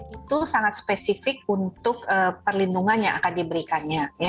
itu sangat spesifik untuk perlindungan yang akan diberikannya